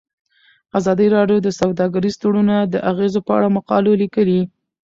ازادي راډیو د سوداګریز تړونونه د اغیزو په اړه مقالو لیکلي.